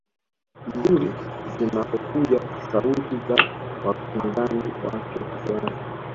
mzuri zinapokuja sauti za wapinzani wake kisiasa